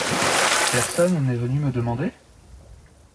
Personne n’est venu me demander ?…